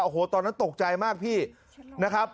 โอ้โหตอนนั้นตกใจมากพี่นะครับ